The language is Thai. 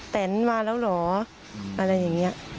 แต่นมาแล้วเหรออะไรอย่างนี้